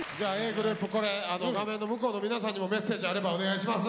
ｇｒｏｕｐこれ画面の向こうの皆さんにもメッセージあればお願いします。